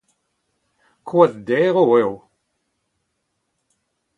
Koad derv eo.